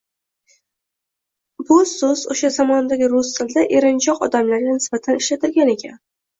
Bu so‘z o‘sha zamondagi rus tilida erinchoq odamlarga nisbatan ishlatilgan ekan.